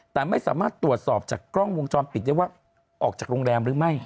แต่ไม่สามารถตรวจสอบจากกล้องวงจรปิดได้ว่าออกจากโรงแรมหรือไม่